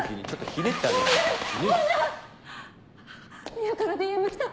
ミアからＤＭ来た。